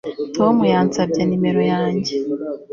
Tom yansabye nimero yanjye